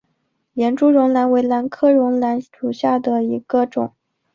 连珠绒兰为兰科绒兰属下的一个种。